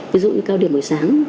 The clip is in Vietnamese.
ví dụ như cao điểm buổi sáng